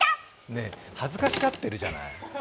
ねえ、恥ずかしがってるじゃない。